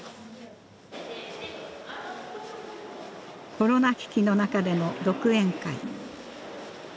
コロナ危機の中での独演会。